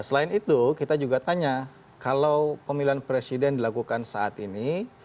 selain itu kita juga tanya kalau pemilihan presiden dilakukan saat ini